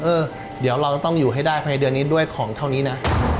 เออเดี๋ยวเราจะต้องอยู่ให้ได้ภายในเดือนนี้ด้วยของเท่านี้นะ